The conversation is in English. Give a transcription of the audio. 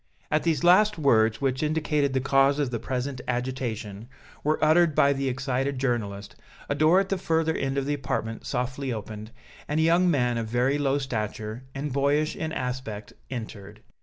As these last words, which indicated the cause of the present agitation, were uttered by the excited journalist a door at the further end of the apartment softly opened, and a young man of very low stature and boyish in aspect entered.